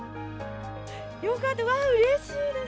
よかった、うれしいです。